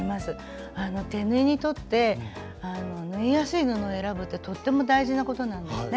手縫いにとって縫いやすい布を選ぶってとっても大事なことなんですね。